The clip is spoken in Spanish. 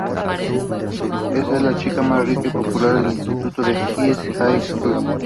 Es la chica más rica y popular del instituto East High School.